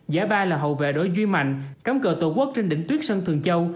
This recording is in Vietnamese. giải ba là hậu vệ đối duy mạnh cắm cờ tổ quốc trên đỉnh tuyết sơn thường châu